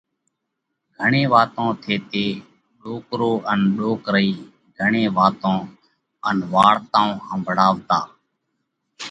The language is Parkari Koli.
گھڻي واتون ٿيتي ڏوڪرو ان ڏوڪرئِي گھڻي واتون ان وارتائون ۿمڀۯاوَتا۔